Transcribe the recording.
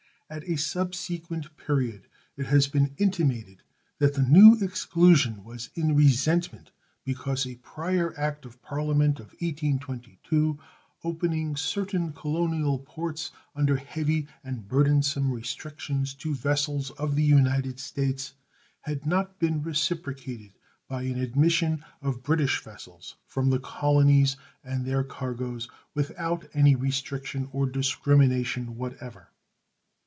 At a subsequent period it has been intimated that the new exclusion was in resentment because a prior act of Parliament, of 1822, opening certain colonial ports, under heavy and burdensome restrictions, to vessels of the United States, had not been reciprocated by an admission of British vessels from the colonies, and their cargoes, without any restriction or discrimination what ever.